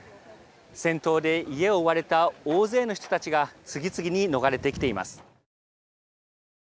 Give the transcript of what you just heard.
戦闘で家を追われた大勢の人たちが次々に逃れてきています。